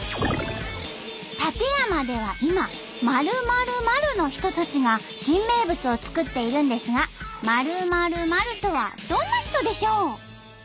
館山では今○○○の人たちが新名物を作っているんですが○○○とはどんな人でしょう？